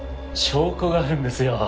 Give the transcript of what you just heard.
証拠があるんですよ。